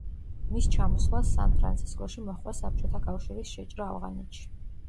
მის ჩამოსვლას სან-ფრანცისკოში მოჰყვა საბჭოთა კავშირის შეჭრა ავღანეთში.